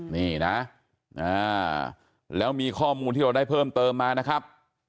นี่นะแล้วมีข้อมูลที่เราได้เพิ่มเติมมานะครับ